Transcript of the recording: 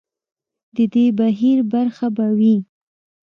د دې بهیر برخه به وي.